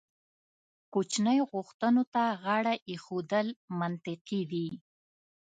کوچنۍ غوښتنو ته غاړه ایښودل منطقي دي.